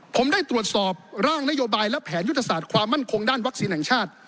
ผมได้ตรวจสอบร่างนโยบายและแผนยุทธศาสตร์ความมั่นคงด้านวัคซีนแห่งชาติ